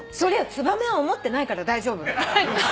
ツバメは思ってないから大丈夫。